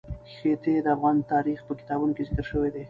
ښتې د افغان تاریخ په کتابونو کې ذکر شوی دي.